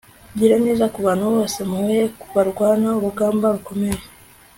gira neza, kubantu bose muhuye barwana urugamba rukomeye